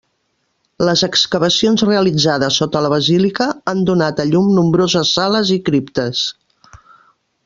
Les excavacions realitzades sota la basílica han donat a llum nombroses sales i criptes.